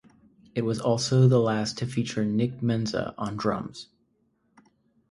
It was also the last to feature Nick Menza on drums.